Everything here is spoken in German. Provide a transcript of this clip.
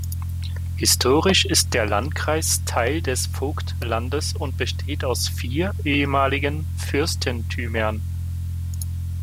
Historisch ist der Landkreis Teil des Vogtlandes und besteht aus vier ehemaligen Fürstentümern.